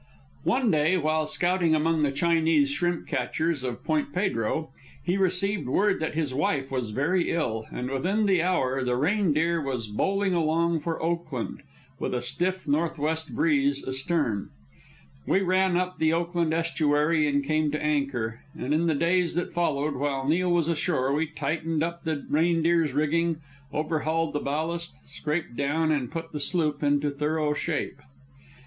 One day, while scouting among the Chinese shrimp catchers of Point Pedro, he received word that his wife was very ill; and within the hour the Reindeer was bowling along for Oakland, with a stiff northwest breeze astern. We ran up the Oakland Estuary and came to anchor, and in the days that followed, while Neil was ashore, we tightened up the Reindeer's rigging, overhauled the ballast, scraped down, and put the sloop into thorough shape.